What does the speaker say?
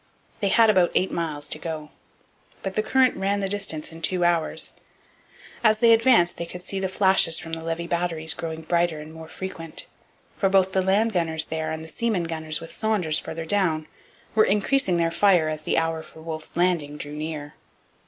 They had about eight miles to go. But the current ran the distance in two hours. As they advanced they could see the flashes from the Levis batteries growing brighter and more frequent; for both the land gunners there and the seamen gunners with Saunders farther down were increasing their fire as the hour for Wolfe's landing drew near.